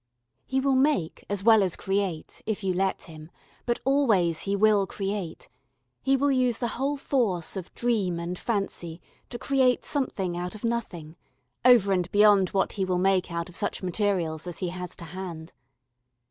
He will make as well as create, if you let him, but always he will create: he will use the whole force of dream and fancy to create something out of nothing over and beyond what he will make out of such materials as he has to hand.